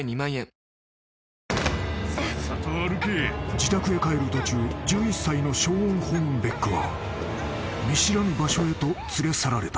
［自宅へ帰る途中１１歳のショーン・ホーンベックは見知らぬ場所へと連れ去られた］